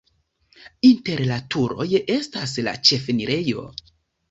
Inter la turoj estas la ĉefenirejo.